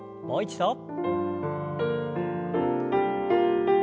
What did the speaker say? もう一度。